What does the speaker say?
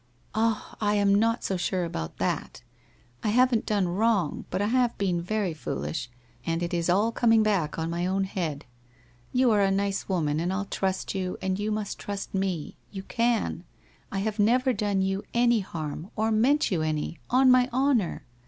'■ Ah, I am not so sure about that. I haven't done wrong, but f have been very Foolish, and it is all coming back on my own head. ... You are a nice woman, and I'll trust you, and you must trust mo. You can. I have never done you any harm or meant you any, on my honour.